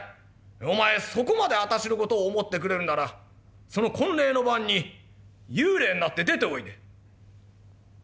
お前そこまで私の事を思ってくれるならその婚礼の晩に幽霊になって出ておいで」。